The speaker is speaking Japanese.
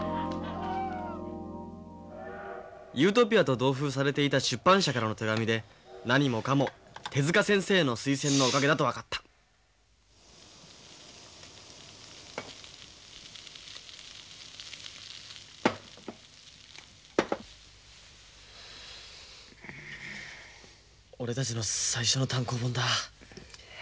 「ＵＴＯＰＩＡ」と同封されていた出版社からの手紙で何もかも手先生の推薦のおかげだと分かった俺たちの最初の単行本だ。